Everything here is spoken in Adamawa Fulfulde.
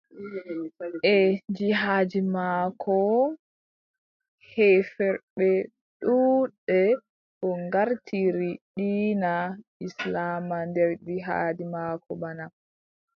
E jihaadi maako, heeferɓe ɗuuɗɓe o ngartiri diina islaama nder jihaadi maako bana.